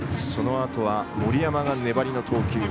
そのあとは森山が粘りの投球。